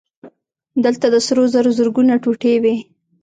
دلته د سرو زرو زرګونه ټوټې وې